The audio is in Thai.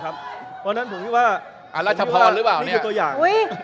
เพราะฉะนั้นผมคิดว่านี่คือตัวอย่าง